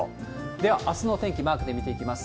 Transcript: ではあすの天気、マークで見ていきます。